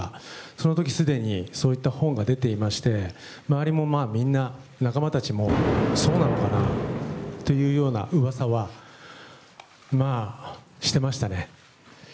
そのときすでにそういった本が出ていまして、周りもまあ、みんな、仲間たちも、そうなのかなというようなうわさは、まあ、してましたね。